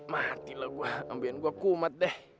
matilah gua ambien gua kumat deh